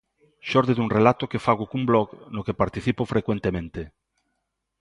Xorde dun relato que fago cun blog no que participo frecuentemente.